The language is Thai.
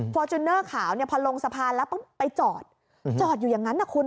จูเนอร์ขาวเนี่ยพอลงสะพานแล้วไปจอดจอดอยู่อย่างนั้นนะคุณ